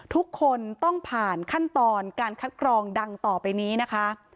ทุกคนต้องผ่านขั้นตอนการคัดกรองดังต่อไปนี้นะคะ